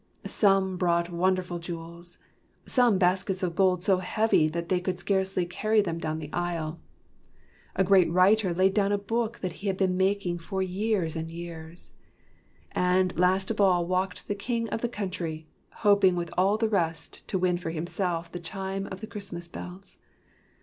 Some brought wonderful jewels, some baskets of gold so heavy that they could scarcely carry them down the aisle. A great writer laid down a book that he had been making for years 20 WHY THE CHIMES RANG and years. And last of all walked the king of the. country, hoping with all the rest to win for himself the chime of the Christmas bells.